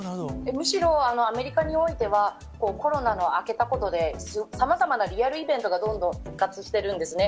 むしろ、アメリカにおいては、コロナの明けたことで、さまざまなリアルイベントがどんどん復活してるんですね。